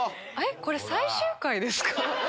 これ最終回ですか？